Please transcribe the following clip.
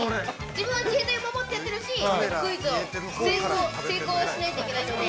◆自分は自衛隊を守ってやってるしクイズを成功しないといけないので。